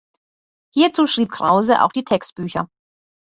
Hierzu schrieb Krause auch die Textbücher.